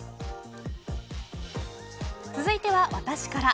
続いては私から。